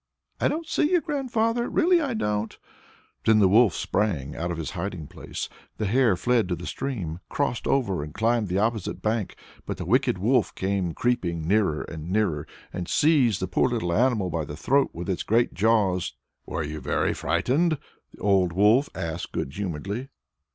"I don't see you. Grandfather, really I don't!" Then the wolf sprang out of his hiding place; the hare fled to the stream, crossed over, and climbed the opposite bank. But the wicked wolf came creeping nearer and nearer and seized the poor little animal by the throat with his great jaws. "Were you very frightened?" the old wolf asked good humouredly.